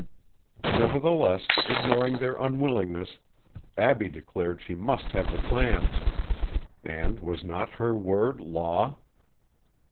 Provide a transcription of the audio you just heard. Nevertheless, ignoring their unwillingness, Abbie declared she must have the clams, and was not her word law?